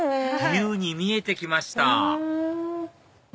竜に見えて来ました！